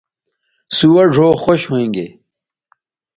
سوہ ڙھؤ خوش ھویں گے